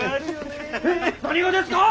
何がですか！？